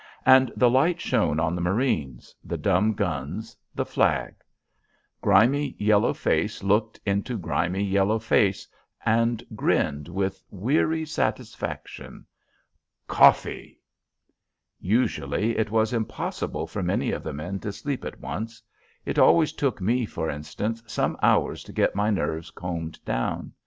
And the light shone on the marines, the dumb guns, the flag. Grimy yellow face looked into grimy yellow face, and grinned with weary satisfaction. Coffee! Usually it was impossible for many of the men to sleep at once. It always took me, for instance, some hours to get my nerves combed down.